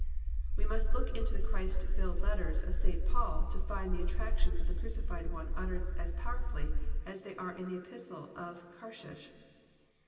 '* We must look into the Christ filled letters of St. Paul to find the attractions of the Crucified One uttered as powerfully as they are in the Epistle of Karshish.